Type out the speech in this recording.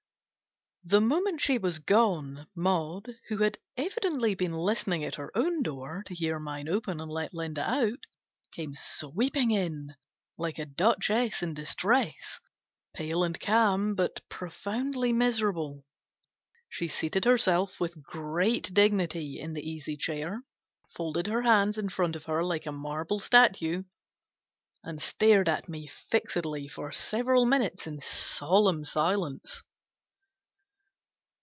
THE moment she was gone, Maud, who had evidently been listening at her own door to hear mine open and let Linda out, came sweep ing in, like a duchess in distress, pale and calm, but profoundly miserable. She seated herself with great dignity in the easy chair, folded her hands in front of her like a marble statue, and stared at me fixedly for several minutes in solemn silence.